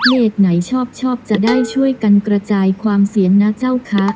ไหนชอบชอบจะได้ช่วยกันกระจายความเสี่ยงนะเจ้าคะ